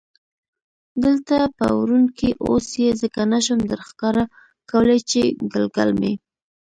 دلته په ورون کې، اوس یې ځکه نه شم درښکاره کولای چې ګلګل مې.